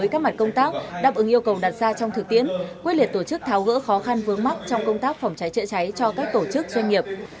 với các mặt công tác đáp ứng yêu cầu đặt ra trong thực tiễn quyết liệt tổ chức tháo gỡ khó khăn vướng mắt trong công tác phòng cháy chữa cháy cho các tổ chức doanh nghiệp